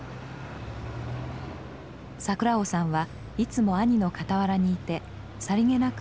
桜麻さんはいつも兄の傍らにいてさりげなく見守っています。